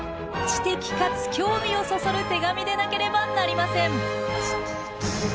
知的かつ興味をそそる手紙でなければなりません。